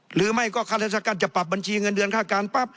หรือไม่ก็ค่าราชการจะปรับบัญชีเงินเดือนค่าการปั๊บ